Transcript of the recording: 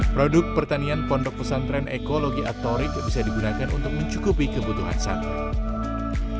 produk pertanian pondok pesantren ekologi atorik bisa digunakan untuk mencukupi kebutuhan santri